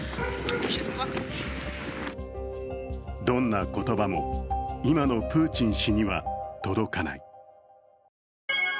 どんな言葉も、今のプーチン氏には届かない。